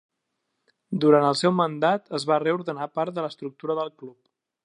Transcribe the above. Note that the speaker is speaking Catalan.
Durant el seu mandat es va reordenar part de l'estructura del club.